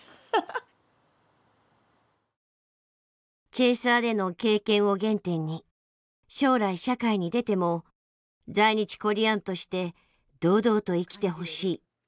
チェーサーでの経験を原点に将来社会に出ても在日コリアンとして堂々と生きてほしい。